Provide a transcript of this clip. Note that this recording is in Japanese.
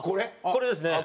これですね。